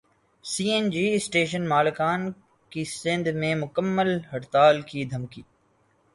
سی N G station مالکان کی سندھ میں مکمل ہڑتال کی دھمکی